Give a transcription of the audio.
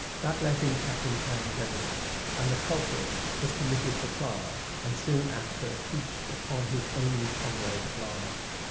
That let in Captain Cowen's evidence, and the culprit was committed for trial, and soon after peached upon his only comrade at large.